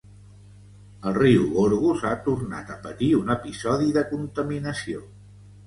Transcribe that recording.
El riu Gorgos ha tornat a patir un episodi de contaminació.